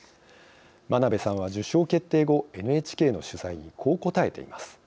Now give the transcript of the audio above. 真鍋さんは受賞決定後ＮＨＫの取材にこう答えています。